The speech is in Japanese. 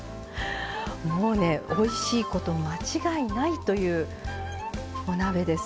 おいしいこと間違いなしというお鍋です。